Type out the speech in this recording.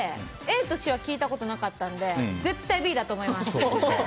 ＡとＣは聞いたことがなかったので絶対Ｂだと思います。